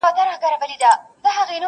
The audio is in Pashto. ستا په دې معاش نو کمه خوا سمېږي,